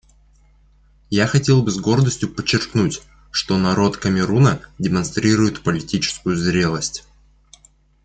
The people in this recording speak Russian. Я хотел бы с гордостью подчеркнуть, что народ Камеруна демонстрирует политическую зрелость.